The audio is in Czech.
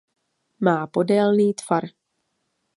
Má podélný tvar.